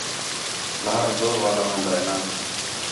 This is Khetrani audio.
لہاڑ زور والا ہون٘دا ہِے نا